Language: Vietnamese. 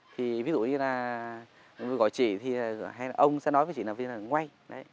thì ví dụ như là người gọi chị hay là ông sẽ nói với chị là ngoài